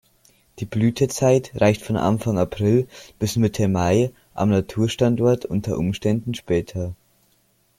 Die Blütezeit reicht von Anfang April bis Mitte Mai, am Naturstandort unter Umständen später.